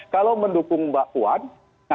kalau mendukung mbak puan